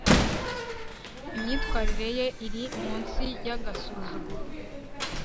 imyitwarire ye iri munsi yagasuzuguro